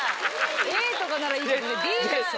ＡとかならいいけどＤでしょ？